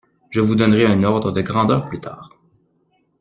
je vous donnerai un ordre de grandeur plus tard,